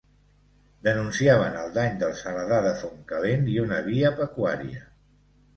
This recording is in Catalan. Denunciaven el dany del Saladar de Fontcalent i una via pecuària.